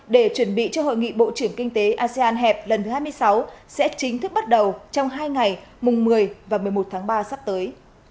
để chuẩn bị cho hội nghị bộ trưởng kinh tế asean hẹp lần thứ hai mươi sáu sẽ chính thức bắt đầu trong hai ngày mùng một mươi và một mươi một tháng ba sắp tới